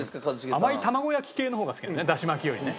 甘い卵焼き系の方が好きなのねだし巻きよりね。